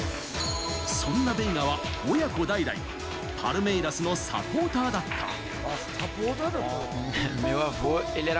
そんなベイガは親子代々パルメイラスのサポーターだった。